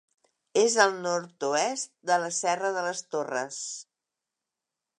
És al nord-oest de la Serra de les Torres.